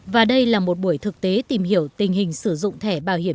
và đây là một buổi thực tế tìm hiểu tình hình sử dụng thẻ bảo hiểm